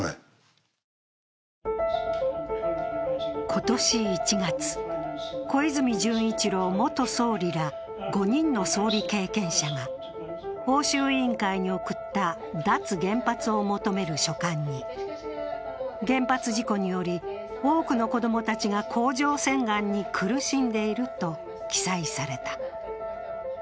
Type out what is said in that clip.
今年１月、小泉純一郎元総理ら５人の総理経験者が欧州委員会に送った脱原発を求める書簡に原発事故により多くの子供たちが甲状腺がんに苦しんでいると記載された。